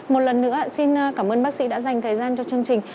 một lần nữa xin cảm ơn bác sĩ đã dành thời gian cho chương trình